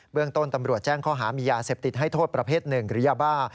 เรื่องต้นตำรวจแจ้งข้อหามียาเสพติดให้โทษประเภทหนึ่งหรือยาบ้า